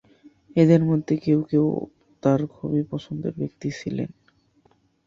এদের মধ্যে কেউ কেউ তার খুবই পছন্দের ব্যক্তি ছিলেন।